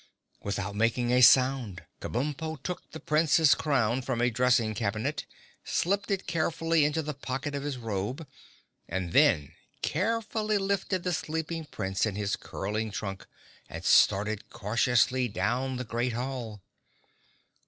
Without making a sound, Kabumpo took the Prince's crown from a dressing cabinet, slipped it carefully into the pocket of his robe, and then carefully lifted the sleeping Prince in his curling trunk and started cautiously down the great hall.